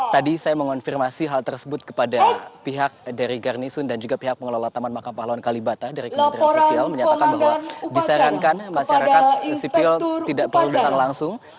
tadi saya mengonfirmasi hal tersebut kepada pihak dari garnison dan juga pihak pengelola taman makam pahlawan kalibata dari kementerian sosial menyatakan bahwa disarankan masyarakat sipil tidak perlu datang langsung